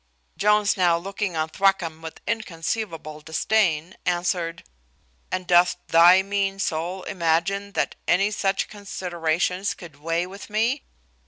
Jones now looking on Thwackum with inconceivable disdain, answered, "And doth thy mean soul imagine that any such considerations could weigh with me?